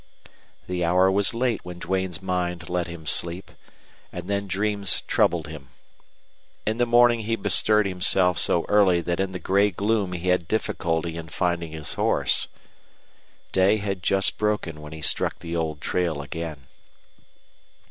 The hour was late when Duane's mind let him sleep, and then dreams troubled him. In the morning he bestirred himself so early that in the gray gloom he had difficulty in finding his horse. Day had just broken when he struck the old trail again.